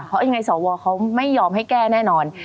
เพราะยังไงสวเขาไม่ยอมให้แก้แน่นอน